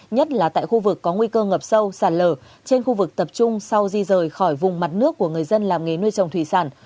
nhất là tại khu vực có nguy cơ ngập sâu sàn lở trên khu vực tập trung sau di rời khỏi vùng mặt nước của người dân làm nghề nuôi trồng thủy sản